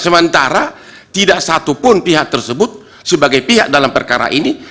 sementara tidak satupun pihak tersebut sebagai pihak dalam perkara ini